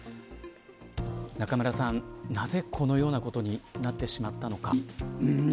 中村さん、なぜこのようなことになってしまったのか。